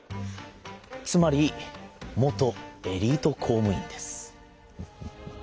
つまり元エリート公むいんです。